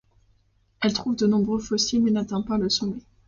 Elle trouve de nombreux fossiles mais n’atteint pas le sommet.